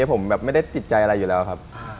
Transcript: ผมแบบไม่ได้ติดใจอะไรอยู่แล้วครับ